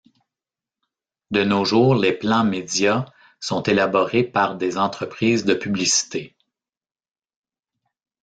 De nos jours, les plans médias sont élaborés par des entreprises de publicité.